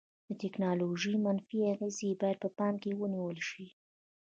د ټیکنالوژي منفي اغیزې باید په پام کې ونیول شي.